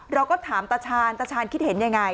เราก็ถามตาชาญตาชาญคิดเห็นยังไง